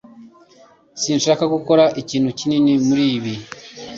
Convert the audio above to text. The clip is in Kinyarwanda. Sinshaka gukora ikintu kinini muri ibi